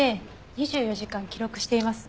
２４時間記録しています。